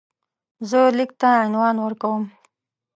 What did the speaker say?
زه لیک ته عنوان ورکوم.